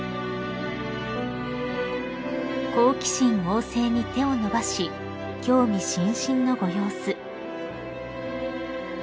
［好奇心旺盛に手を伸ばし興味津々のご様子］